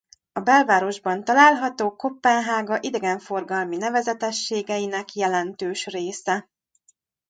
A belvárosban található Koppenhága idegenforgalmi nevezetességeinek jelentős része.